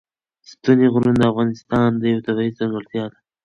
ستوني غرونه د افغانستان یوه طبیعي ځانګړتیا ده.